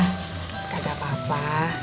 gak ada apa apa